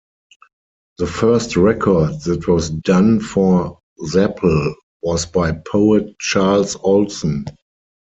The first record that was done for Zapple was by poet Charles Olson.